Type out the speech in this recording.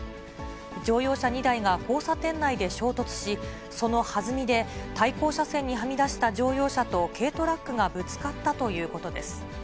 乗用車２台が交差点内で衝突し、そのはずみで、対向車線にはみ出した乗用車と軽トラックがぶつかったということです。